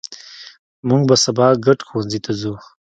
مونږ به سبا ګډ ښوونځي ته ځو